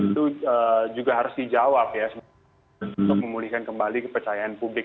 itu juga harus dijawab ya untuk memulihkan kembali kepercayaan publik